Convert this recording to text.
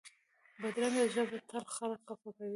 بدرنګه ژبه تل خلک خفه کوي